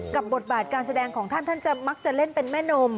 บทบาทการแสดงของท่านท่านจะมักจะเล่นเป็นแม่นม